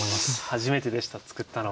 初めてでした作ったの。